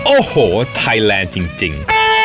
โอ้โหไทยแลนด์จริง